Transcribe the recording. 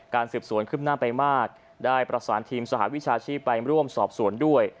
สืบสวนขึ้นหน้าไปมากได้ประสานทีมสหวิชาชีพไปร่วมสอบสวนด้วย